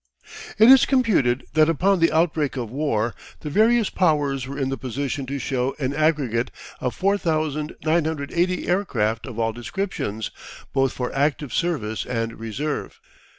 It is computed that upon the outbreak of war the various Powers were in the position to show an aggregate of 4,980 aircraft of all descriptions, both for active service and reserve.